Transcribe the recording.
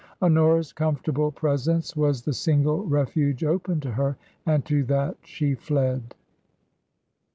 Honora's comfortable presence was the single refuge open to her, and to that she fled.